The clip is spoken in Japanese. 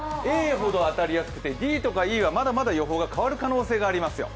Ａほど当たりやすくてＤとかＥはまだまだ予報が変わる可能性がありますよ。